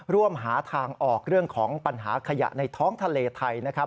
ร่วมหาทางออกเรื่องของปัญหาขยะในท้องทะเลไทยนะครับ